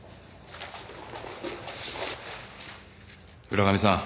浦上さん